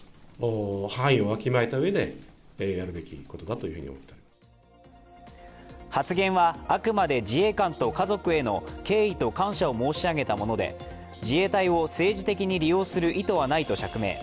発言について今日、木原大臣は発言は、あくまで自衛官と家族への敬意と感謝を申し上げたもので、自衛隊を政治的に利用する意図はないと釈明。